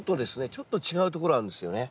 ちょっと違うところあるんですよね。